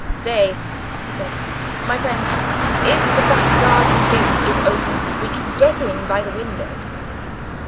"Stay!" he said. "My friends, if the back garden gate is open, we can get in by the window."